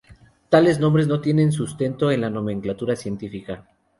Tales nombres no tienen sustento en la nomenclatura científica.